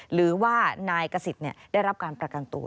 หรือว่านายกษิตได้รับการประกันตัว